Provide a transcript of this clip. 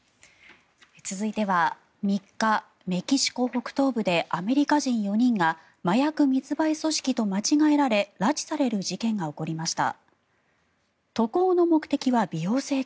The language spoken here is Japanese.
続いては３日、メキシコ北東部でアメリカ人４人が麻薬密売組織と間違えられ拉致される事件が起きました。